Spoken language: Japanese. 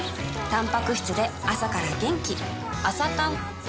たんぱく質で朝から元気